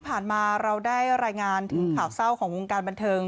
ผ่านมาเราได้รายงานถึงข่าวเศร้าของวงการบันเทิง